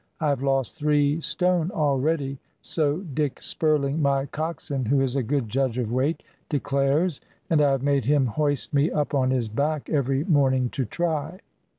I have lost three stone already, so Dick Spurling, my coxswain, who is a good judge of weight, declares, and I have made him hoist me up on his back every morning to try.